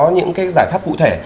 những cái giải pháp cụ thể